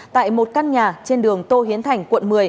tại một căn nhà trên đường tô hiến thành quận một mươi